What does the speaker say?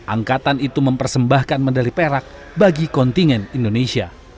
angkatan itu mempersembahkan medali perak bagi kontingen indonesia